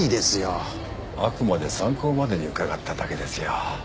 あくまで参考までに伺っただけですよ